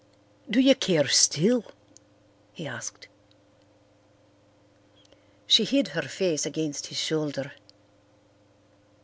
"Do you care still?" he asked. She hid her face against his shoulder.